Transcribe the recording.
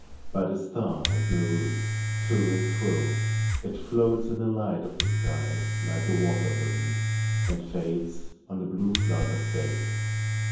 'But a star has no roots : to and fro It floats in the light of the sky, like a wat«r ]ily. And fades on the blue flood of day.